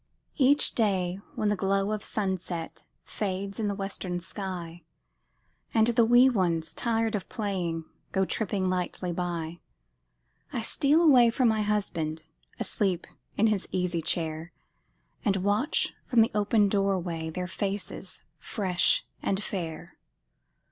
Each day, when the glow of sunset Fades in the western sky, And the wee ones, tired of playing, Go tripping lightly by, I steal away from my husband, Asleep in his easy chair, And watch from the open door way Their faces fresh and fair.